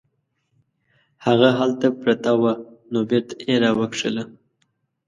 هغه هلته پرته وه نو بیرته یې راوکښله.